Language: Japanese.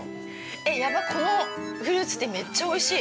やば、このフルーツティーめっちゃおいしい。